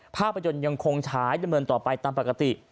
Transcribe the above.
ภาพยนตร์ยังคงใช้ดำเนินต่อไปตามปกติ